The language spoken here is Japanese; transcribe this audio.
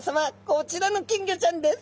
こちらの金魚ちゃんです。